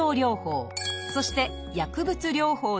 そして「薬物療法」です